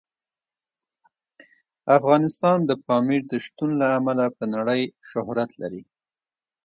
افغانستان د پامیر د شتون له امله په نړۍ شهرت لري.